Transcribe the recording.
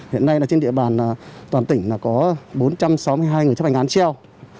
hiện nay trên địa bàn toàn tỉnh có bốn trăm sáu mươi hai người chấp hành án treo